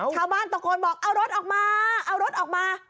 ชาวบ้านตะโกนบอกเอารถออกมาเอารถออกมา